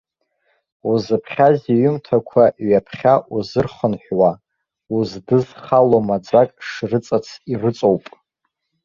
Узыԥхьаз иҩымҭақәа ҩаԥхьа узырхынҳәуа, уздызхало маӡак шрыҵац ирыҵоуп.